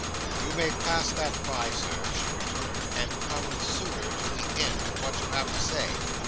"You may pass that by, Sir," she returned, "and come the sooner to the end of what you have to say."